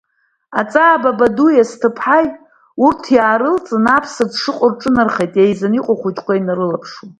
Аҵаа Бабадуи Асҭыԥҳаи урҭ иаарылҵны аԥсаӡ шыҟоу рҿынархоит еизаны иҟоу ахәыҷқәа инарылаԥшуа.